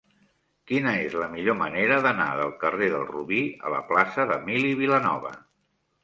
Quina és la millor manera d'anar del carrer del Robí a la plaça d'Emili Vilanova?